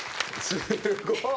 すごい。